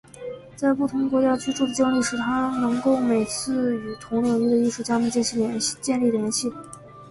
在不同国家居住的经历使他能够每次与同领域的艺术家们建立联系。